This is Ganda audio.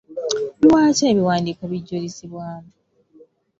Lwaki ebiwandiiko bijulizibwamu?